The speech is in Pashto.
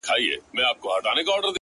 سترگي يې توري پر مخ يې ښكل كړه